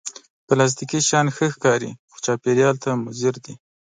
پلاستيکي شیان ښه ښکاري، خو چاپېریال ته مضر دي